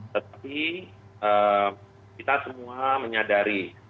tapi kita semua menyadari